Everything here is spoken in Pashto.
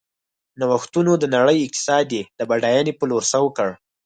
نوښتونو د نړۍ اقتصاد یې د بډاینې په لور سوق کړ.